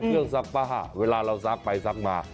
เครื่องซักป่ะฮะเวลาเราซักไปซักมา